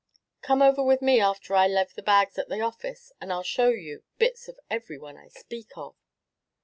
Come over with me after I lave the bags at the office, and I 'll show you bits of every one I speak of."